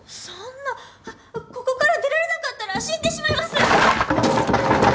そんなここから出られなかったら死んでしまいます！